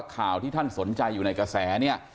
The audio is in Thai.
ข่าวที่ท่านสนใจอยู่ในกระแสเนี่ย